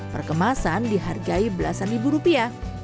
perkemasan dihargai belasan ribu rupiah